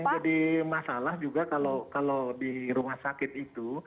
yang jadi masalah juga kalau di rumah sakit itu